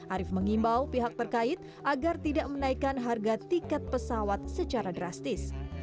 arief mengimbau pihak terkait agar tidak menaikkan harga tiket pesawat secara drastis